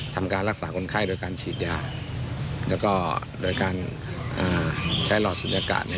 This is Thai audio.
ทำการรักษาคนไข้โดยการฉีดยาแล้วก็โดยการใช้หลอดศูนยากาศ